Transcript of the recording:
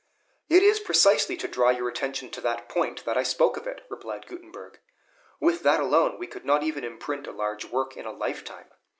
"It is precisely to draw your attention to that point that I spoke of it," replied Gutenberg. "With that alone we could not even imprint a large work in a life time.